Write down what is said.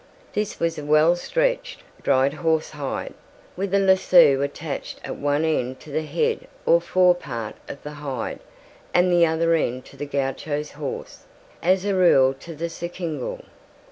This was a well stretched, dried horse hide, with a lasso attached at one end to the head or fore part of the hide and the other end to the gaucho's horse, as a rule to the surcingle.